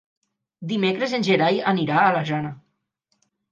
Dimecres en Gerai anirà a la Jana.